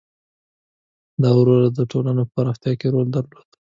• دا دوره د ټولنو په پراختیا کې رول درلود.